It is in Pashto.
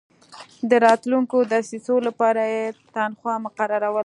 د راتلونکو دسیسو لپاره یې تنخوا مقرروله.